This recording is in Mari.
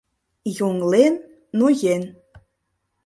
Йоҥлен — ноен.